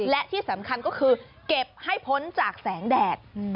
และที่สำคัญก็คือเก็บให้พ้นจากแสงแดด